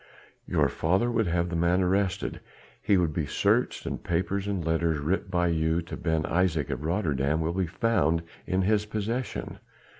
"Your father would have the man arrested, he would be searched, and papers and letters writ by you to Ben Isaje of Rotterdam will be found in his possession.